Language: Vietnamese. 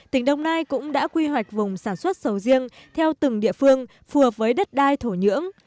tỉnh đồng nai cũng đã quy hoạch vùng sản xuất sầu riêng theo từng địa phương phù hợp với đất đai thổ nhưỡng